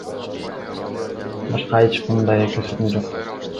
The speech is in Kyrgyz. Башка эч кандай көрсөтмө жок.